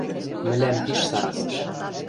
Мӹлӓм пиш сарасыш...